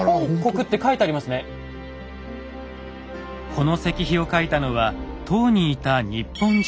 この石碑を書いたのは唐にいた日本人。